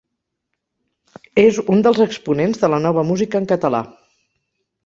És un dels exponents de la nova música en català.